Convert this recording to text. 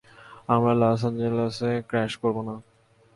আমরা লস অ্যাঞ্জেলসে ক্র্যাশ করব না!